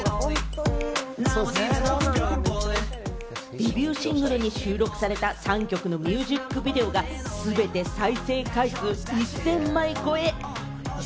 デビューシングルに収録された３曲のミュージックビデオが全て再生回数１０００万回超え。